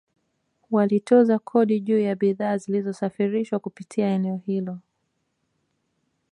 Walitoza kodi juu ya bidhaa zilizosafirishwa kupitia eneo hilo